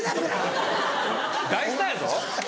大スターやぞ！